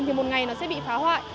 thì một ngày nó sẽ bị phá hoại